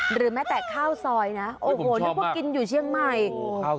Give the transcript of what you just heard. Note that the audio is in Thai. หรือแม้แต่ข้าวซอยนะโอ้โหนึกว่ากินอยู่เชียงใหม่